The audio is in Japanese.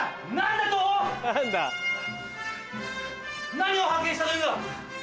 何を発見したというんだ？